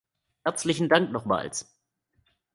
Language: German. Herzlichen Dank nochmals.